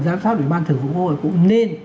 giám sát ủy ban thường vụ quốc hội cũng nên